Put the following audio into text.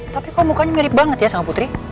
tapi kok mukanya mirip banget ya sama putri